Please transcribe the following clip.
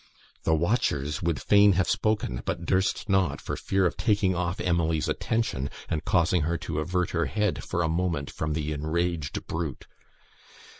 The watchers would fain have spoken, but durst not, for fear of taking off Emily's attention, and causing her to avert her head for a moment from the enraged brute.